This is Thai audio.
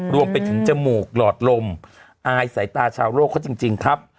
รวมไปถึงจมูกหลอดลมอายสายตาชาวโลกเขาจริงครับ